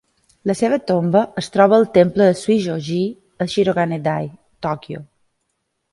La seva tomba es troba al temple de Zuisho-ji, a Shirogane-dai, Tòquio.